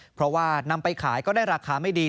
เพราะว่านำไปขายก็ได้ราคาไม่ดี